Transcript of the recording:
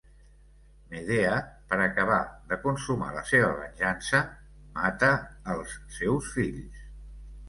Medea, per acabar de consumar la seva venjança, mata els seus fills.